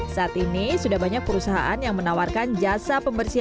saat ini sudah banyak perusahaan yang menawarkan jasa pembersihan